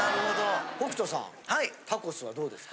北斗さんタコスはどうですか？